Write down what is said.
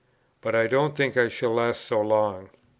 But I don't think I shall last so long.